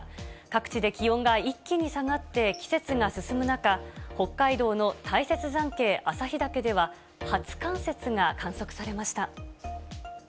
各地で気温が一気に下がって、季節が進む中、北海道の大雪山系旭岳では、初冠雪が観測されました。